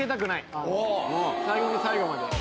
最後の最後まで。